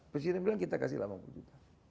presiden bilang kita kasih delapan puluh juta